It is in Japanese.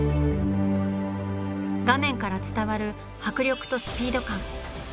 画面から伝わる迫力とスピード感。